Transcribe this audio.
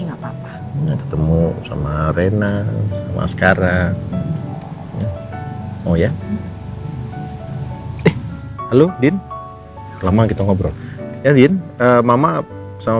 nggak apa apa ketemu sama rena sama sekarang oh ya halo din lama kita ngobrol ya din mama sama